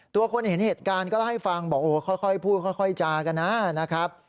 ตัวคนเห็นเหตุการณ์ก็เล่าให้ฟังบอกโอ้ค่อยพูดค่อยจากันนะครับ